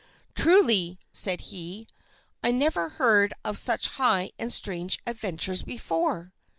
"Truly," said he, "I never heard of such high and strange adventures before."